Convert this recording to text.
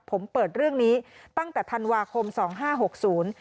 ผมเปิดเรื่องนี้ตั้งแต่ธันวาคมสองห้าหกศูนย์